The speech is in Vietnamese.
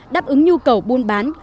đáp ứng nhu cầu buôn bán